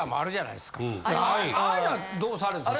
ああいうのはどうされるんですか。